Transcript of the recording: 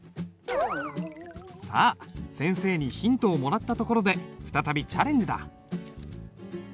さあ先生にヒントをもらったところで再びチャレンジだ。